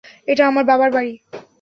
এটা আমার বাবার বাড়ি।